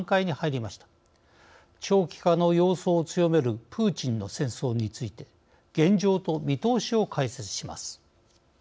長期化の様相を強めるプーチンの戦争について現状と見通しを解説します。